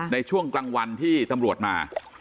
ในช่วงกลางวันที่ตำรวจมา